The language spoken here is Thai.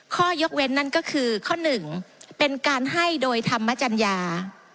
ข้อยกเว้นนั่นก็คือข้อหนึ่งเป็นการให้โดยธรรมจัญญา